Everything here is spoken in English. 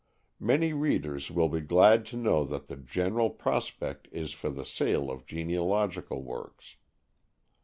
Many readers will be glad to know what the general prospect is for the sale of genealogical works.